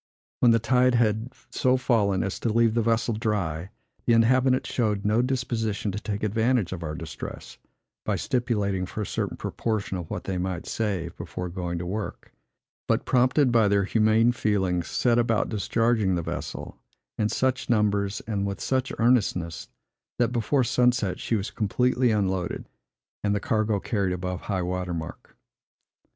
When the tide had so fallen as to leave the vessel dry, the inhabitants showed no disposition to take advantage of our distress, by stipulating for a certain proportion of what they might save, before going to work; but, prompted by their humane feelings, set about discharging the vessel, in such numbers and with such earnestness, that before sunset she was completely unloaded, and the cargo carried above high water mark.